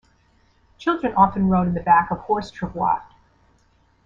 Children often rode in the back of horse travois.